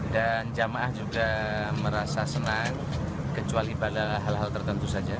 dan jemaah juga merasa senang kecuali pada hal hal tertentu saja